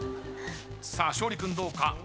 さあ勝利君どうか？